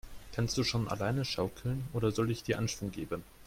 Kannst du schon alleine schaukeln, oder soll ich dir Anschwung geben?